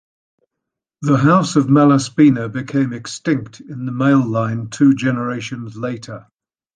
The house of Malaspina became extinct in the male line two generations later.